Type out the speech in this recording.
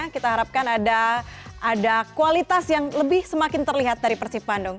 kita harapkan ada kualitas yang lebih semakin terlihat dari persib bandung